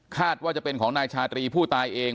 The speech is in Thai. ว่าจะเป็นของนายชาตรีผู้ตายเอง